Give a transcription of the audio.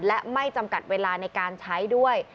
และไม่จำกัดเวลาในการใช้ด้วย